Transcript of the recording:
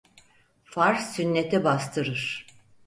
Farz sünneti bastırır.